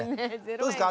どうですか？